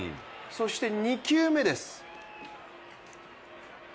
そして２球目です。